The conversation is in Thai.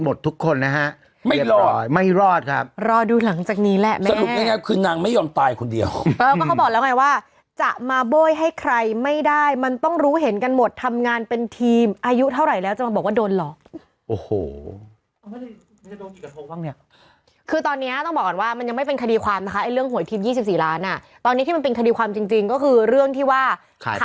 ทุกคนนะฮะไม่รอดไม่รอดครับรอดูหลังจากนี้แหละสรุปง่ายคือนางไม่ยอมตายคนเดียวเออก็เขาบอกแล้วไงว่าจะมาโบ้ยให้ใครไม่ได้มันต้องรู้เห็นกันหมดทำงานเป็นทีมอายุเท่าไหร่แล้วจะมาบอกว่าโดนหลอกโอ้โหตอนเนี้ยต้องบอกก่อนว่ามันยังไม่เป็นคดีความนะคะไอ้เรื่องหวยทีม๒๔ล้านอ่ะตอนนี้ที่มันเป็นคดีความจริงจริงก็คือเรื่องที่ว่าขาย